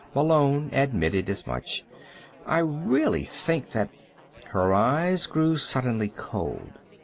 Malone admitted as much. "I really think that " Her eyes grew suddenly cold.